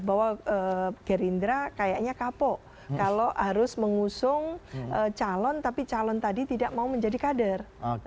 bahwa gerindra kayaknya kapok kalau harus mengusung calon tapi calon tadi tidak mau menjadi kader